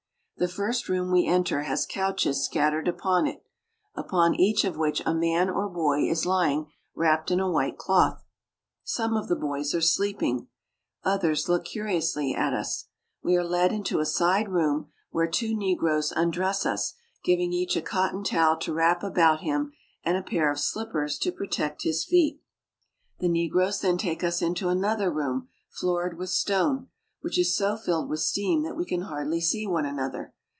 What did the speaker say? The first room we enter has couches scat tered about it, upon each of which a man or boy is lying wrapped in a white cloth. Some of the boys are sleeping ; others look curiously at us. We are led into a side room, where two negroes undress us, giving each a cotton towel to wrap about him and a pair of slippers to protect his feet. TRIPOLI AND ITS OASES ■'Tripoli , white buildings with flat ri I The negroes then take us into another room, floored with .atone, which is so filled with steam that we can hardly see ^one another.